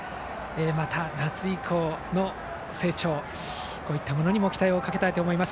また、夏以降の成長にも期待をかけたいと思います。